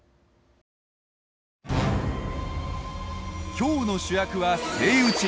今日の主役はセイウチ。